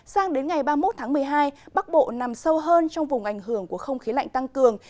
sang đến ngày ba mươi một tháng một mươi hai bắc bộ nằm sâu hơn trong vùng ảnh hưởng của không khí lạnh tăng cường